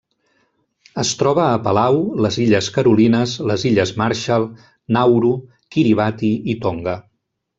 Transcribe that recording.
Es troba a Palau, les Illes Carolines, les Illes Marshall, Nauru, Kiribati i Tonga.